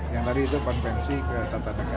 yang tadi itu konvensi ke tata negara